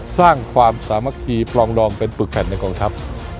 สร้างความสามัคคีปลองดองเป็นปึกแผ่นในกองทัพ